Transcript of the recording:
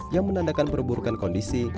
yang menandakan perburukan kondisi